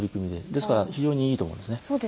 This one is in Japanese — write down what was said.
ですから非常にいいと思うんですね。